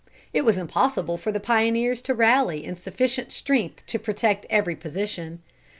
It was impossible for the pioneers to rally in sufficient strength to protect every position.